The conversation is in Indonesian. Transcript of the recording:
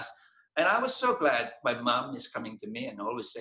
saya sangat senang ibu saya datang ke sini dan selalu berkata